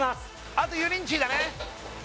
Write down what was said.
あと油淋鶏だね